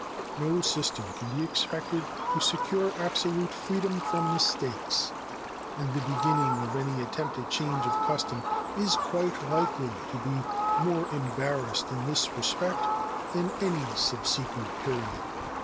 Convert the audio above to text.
No system can be expected to secure absolute freedom from mistakes, and the beginning of any attempted change of custom is quite likely to be more embarrassed in this respect than any subsequent period.